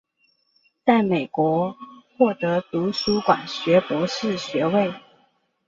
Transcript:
在美国获得图书馆学博士学位。